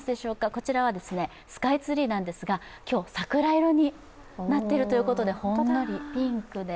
こちらはスカイツリーなんですが、今日、桜色になっているということで、ほんのりピンクで。